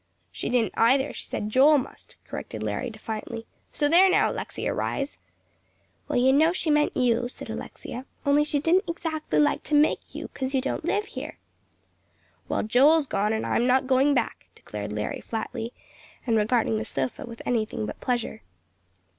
"She didn't either; she said Joel must," corrected Larry, defiantly. "So there, now, Alexia Rhys!" "Well, you know she meant you," said Alexia, "only she didn't exactly like to make you, 'cause you don't live here." "Well, Joel's gone, and I'm not going back," declared Larry, flatly, and regarding the sofa with anything but pleasure.